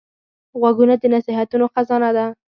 غوږونه د نصیحتونو خزانه ده